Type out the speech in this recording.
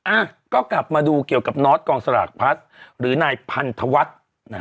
อ่ะก็กลับมาดูเกี่ยวกับนอสกองสลากพัฒน์หรือนายพันธวัฒน์นะฮะ